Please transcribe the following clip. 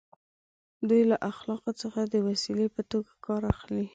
دوی له اخلاقو څخه د وسیلې په توګه کار اخلي.